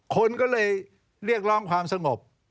คนก็เลยเรียกร้องความสงบ